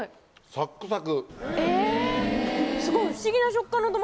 サックサク。